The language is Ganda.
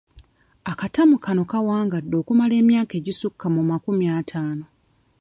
Akatamu kano kawangadde okumala emyaka egisukka mu makumi ataano.